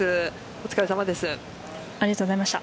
お疲れさまです。